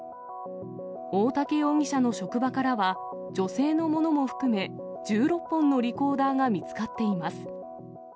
大竹容疑者の職場からは、女性のものも含め、１６本のリコーダーが見つかっています。